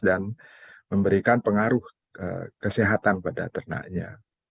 dan memberikan pengaruh kesehatan pada ternaknya